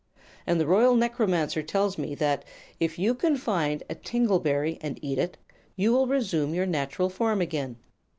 And the Royal Necromancer tells me that if you can find a tingle berry, and eat it, you will resume your natural form again.